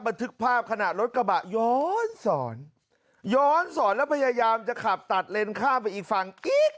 บันทึกภาพขณะรถกระบะย้อนสอนย้อนสอนแล้วพยายามจะขับตัดเลนข้ามไปอีกฝั่งอีก